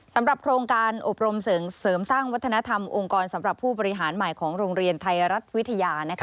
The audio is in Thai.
สำหรับโครงการอบรมเสริมสร้างวัฒนธรรมองค์กรสำหรับผู้บริหารใหม่ของโรงเรียนไทยรัฐวิทยานะคะ